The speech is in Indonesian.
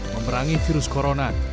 memerangi virus corona